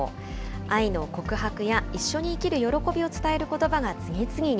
愛の告白や一緒に生きる喜びを伝えることばが次々に。